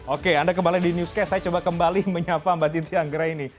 oke anda kembali di newscast saya coba kembali menyapa mbak titi anggra ini